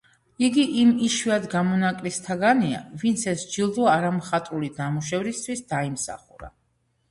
იგი იმ იშვიათ გამონაკლისთაგანია, ვინც ეს ჯილდო არა მხატვრული ნამუშევრისთვის დაიმსახურა.